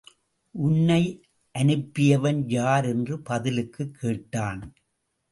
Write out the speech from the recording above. உன்னையனுப்பியவன் யார்? என்று பதிலுக்குக் கேட்டான்.